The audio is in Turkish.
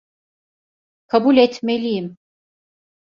Kabul etmeliyim.